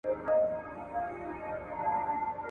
• نور ئې نور، عثمان ته لا هم غورځېدى.